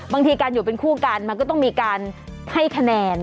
บางทีการอยู่เป็นคู่กันมันก็ต้องมีการให้คะแนน